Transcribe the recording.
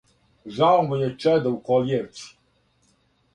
Жао му је чеда у колијевци,